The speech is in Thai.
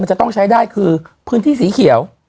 จะต้องใช้ได้คือพื้นที่สีเขียว